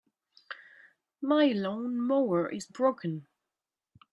My lawn-mower is broken.